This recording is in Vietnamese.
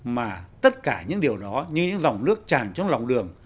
mà tất cả những điều đó như những dòng nước tràn trong lòng đường